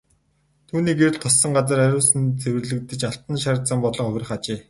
Түүний гэрэл туссан газар ариусан цэвэрлэгдэж алтан шар зам болон хувирах ажээ.